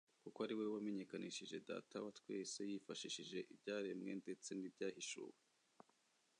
kuko ari we wamenyekanishije Data wa twese yifashishije ibyaremwe, ndetse n'ibyahishuwe.